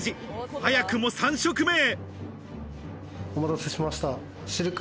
早くも３食目へ。